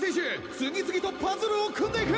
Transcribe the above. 次々とパズルを組んでいく！